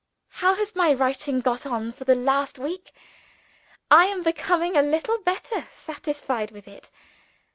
How has my writing got on for the last week? I am becoming a little better satisfied with it.